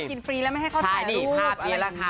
กินฟรีแล้วไม่ให้เข้าถ่ายรูปอะไรอย่างนี้ค่ะ